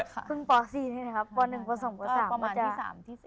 ก็พรุ่งป๔คนแหละครับป๑๒๓